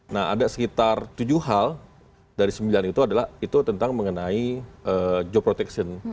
nah ada sekitar tujuh hal dari sembilan itu adalah itu tentang mengenai job protection